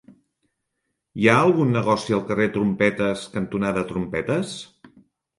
Hi ha algun negoci al carrer Trompetes cantonada Trompetes?